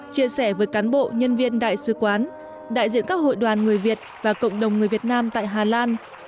chia sẻ với cán bộ nhân viên đại sứ quán đại diện các hội đoàn người việt và cộng đồng người việt nam tại hà lan